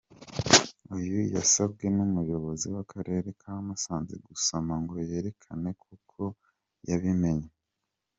Uyu yasabwe n’umuyobozi w’akarere ka Musanze gusoma ngo yerekane ko koko yabimenye.